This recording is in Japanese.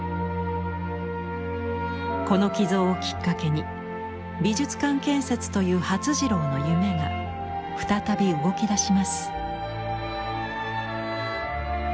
この寄贈をきっかけに美術館建設という發次郎の夢が再び動きだします。